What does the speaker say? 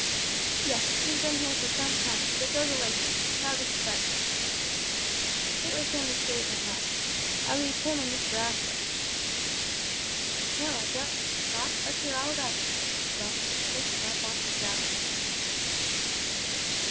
"Yes. He's bin here for some time, but goes away soon now that he's better. It was him as saved my life at least him and Mr Aspel, you know." "No, I don't know, Tot. Let's hear all about it," replied Mr Bones, with a look of unwonted gravity.